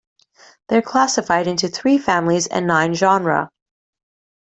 They are classified into three families and nine genera.